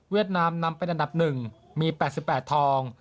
นามนำเป็นอันดับ๑มี๘๘ทอง